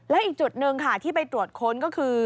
แล้วอีกจุดหนึ่งค่ะที่ไปตรวจค้นก็คือ